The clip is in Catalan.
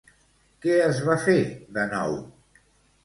Què es va fer, de nou?